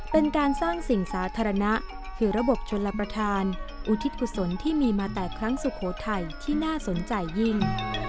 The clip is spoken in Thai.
เป็นการสร้างสิ่งสาธารณะคือระบบชนรับประทานอุทิศกุศลที่มีมาแต่ครั้งสุโขทัยที่น่าสนใจยิ่ง